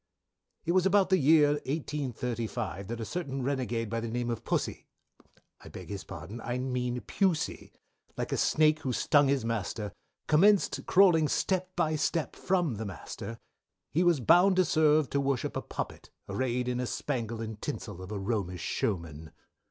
"It was about the year 1835, that a certain renagade of the name of Pussy I beg his pardon, I mean Pusey, like a snake who stung his master commenced crawling step by step, from the master; he was bound to serve to worship a puppet, arrayed in a spangle and tinsel of a romish showman.